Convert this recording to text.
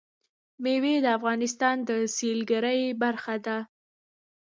مېوې د افغانستان د سیلګرۍ برخه ده.